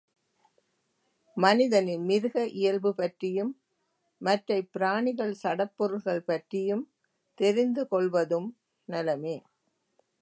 மனிதனின் மிருக இயல்பு பற்றியும், மற்றைப் பிராணிகள், சடப்பொருள்கள் பற்றியும் தெரிந்துகொள்வதும் நலமே.